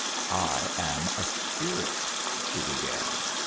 "I am a spirit," she began.